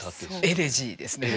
エレジーですね。